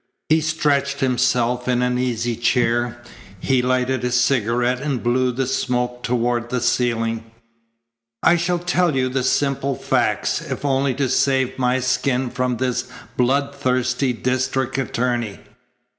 He stretched himself in an easy chair. He lighted a cigarette and blew the smoke toward the ceiling. "I shall tell you the simple facts, if only to save my skin from this blood thirsty district attorney."